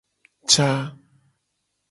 Ca.